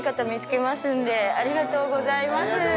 ありがとうございます。